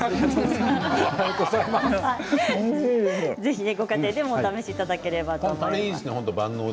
ぜひ、ご家庭でもお試しいただければ。